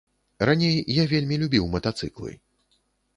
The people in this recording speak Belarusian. Раней я вельмі любіў матацыклы.